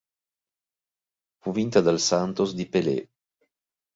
Fu vinta dal Santos di Pelé.